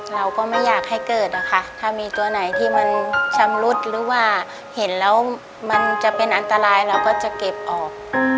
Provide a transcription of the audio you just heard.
เราก็ไม่อยากให้เกิดอะค่ะถ้ามีตัวไหนที่มันชำรุดหรือว่าเห็นแล้วมันจะเป็นอันตรายเราก็จะเก็บออก